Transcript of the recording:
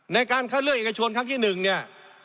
ในการคัดเลือกเอกชนครั้งที่๑เนี่ย